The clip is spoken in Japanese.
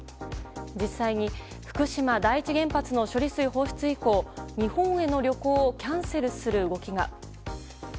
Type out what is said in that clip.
実際に福島第一原発の処理水放出以降日本への旅行をキャンセルする動きが。